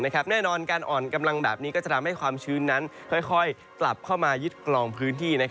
แน่นอนการอ่อนกำลังแบบนี้ก็จะทำให้ความชื้นนั้นค่อยกลับเข้ามายึดกลองพื้นที่